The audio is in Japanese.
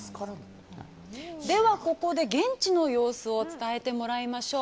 ではここで現地の様子を伝えてもらいましょう。